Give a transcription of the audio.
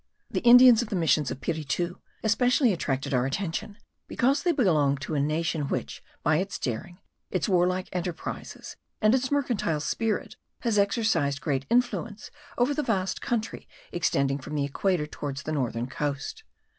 The Indians of the missions of Piritu especially attracted our attention, because they belong to a nation which, by its daring, its warlike enterprises, and its mercantile spirit has exercised great influence over the vast country extending from the equator towards the northern coast.